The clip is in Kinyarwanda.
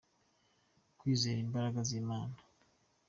kwizera imbaraga z’Imana